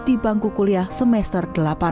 di bangku kuliah semester delapan